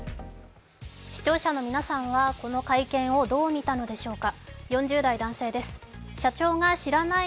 視聴者の皆さんはこの会見をどう見たのでしょうか。